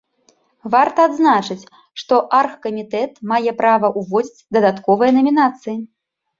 Варта адзначыць, што аргакамітэт мае права ўводзіць дадатковыя намінацыі.